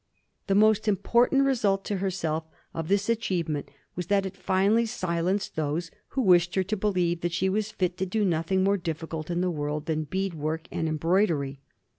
The most important result to herself of this achievement was that it finally silenced those who wished her to believe that she was fit to do nothing more difficult in the world than bead work and embroidery.